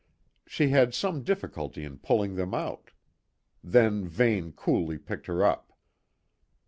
She had some difficulty in pulling them out. Then Vane coolly picked her up.